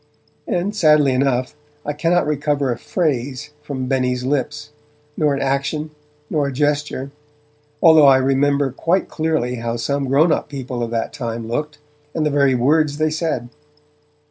And, sadly enough, I cannot recover a phrase from Benny's lips, nor an action, nor a gesture, although I remember quite clearly how some grown up people of that time looked, and the very words they said.